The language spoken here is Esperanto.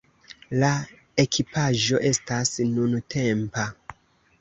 La ekipaĵo estas nuntempa.